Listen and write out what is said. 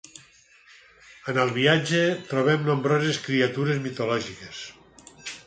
En el viatge troben nombroses criatures mitològiques.